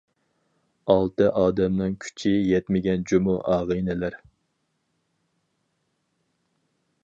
ئالتە ئادەمنىڭ كۈچى يەتمىگەن جۇمۇ ئاغىنىلەر.